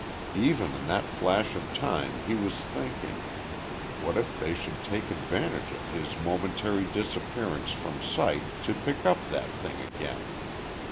Even in that flash of time, he was thinking What if they should take advantage of his momentary disappearance from sight to pick up that thing again?